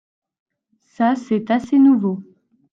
Ça c'est assez nouveau.